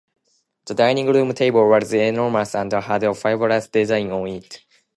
The dining room table was enormous and had a fabulous design on it.